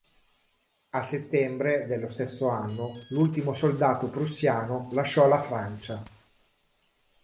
A settembre dello stesso anno l'ultimo soldato prussiano lasciò la Francia.